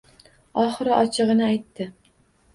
Oxiri ochig‘ini aytdi.